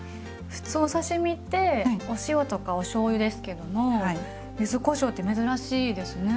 普通お刺身ってお塩とかおしょうゆですけども柚子こしょうって珍しいですね。